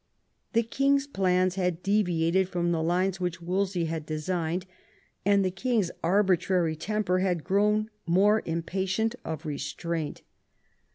The king's plans had deviated from the lines which Wolsey had designed, and the king^s arbitrary temper had grown more impatient of restraint.